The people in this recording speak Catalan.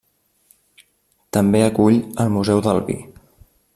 També acull el Museu del Vi.